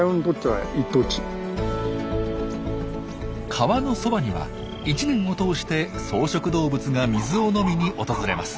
川のそばには一年を通して草食動物が水を飲みに訪れます。